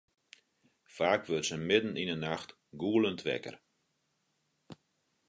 Faak wurdt se midden yn 'e nacht gûlend wekker.